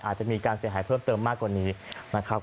อาจจะมีการเสียหายเพิ่มเติมมากกว่านี้นะครับ